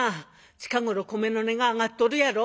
近頃米の値が上がっとるやろ。